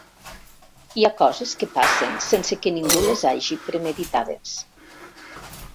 Hi ha coses que passen sense que ningú les hagi premeditades.